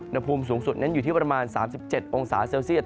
อุณหภูมิสูงสุดนั้นอยู่ที่ประมาณ๓๗องศาเซลเซียต